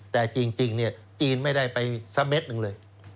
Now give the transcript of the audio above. แต่จริงจีนไม่ได้ไปสักเม็ดหนึ่งเลย